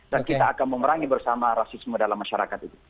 dan kita akan memerangi bersama rasisme dalam masyarakat itu